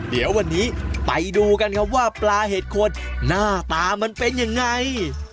เดี๋ยววันนี้ไปดูกันครับว่าปลาเห็ดโคนหน้าตามันเป็นยังไง